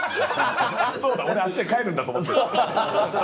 そうだ、俺、あっちに帰るんだと思って。